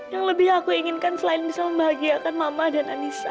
yang lebih aku inginkan selain bisa membahagiakan mama dan anissa